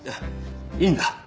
いいんだ。